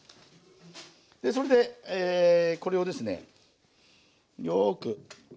でそれでこれをですねよく卵に。